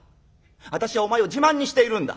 私はお前を自慢にしているんだ。